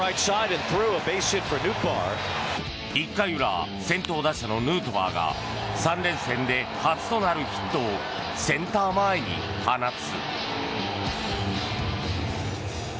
１回裏、先頭打者のヌートバーが３連戦で初となるヒットをセンター前に放つ。